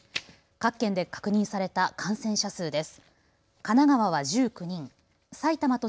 各県で確認された感染者数です。